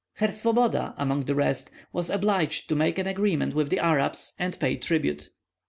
Herr Swoboda, among the rest, was obliged to make an agreement with the Arabs, and pay tribute.